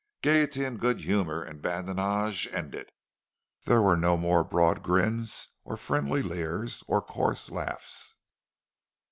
Gaiety and good humor and badinage ended. There were no more broad grins or friendly leers or coarse laughs.